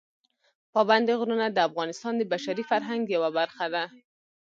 پابندي غرونه د افغانستان د بشري فرهنګ یوه برخه ده.